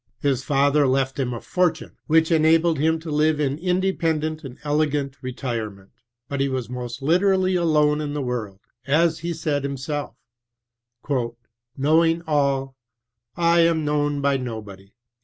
His father left him a fortune, which enabled him to live in independent and elegant retire ment. But he was most literally cuone in the (474) world ; as he said himself »" Knowing all, I am known by nobody."